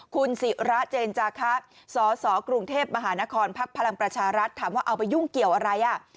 คุณศิระเจนจาคะสสกรุงเทพมหานครพักพลังประชารัฐถามว่าเอาไปยุ่งเกี่ยวอะไร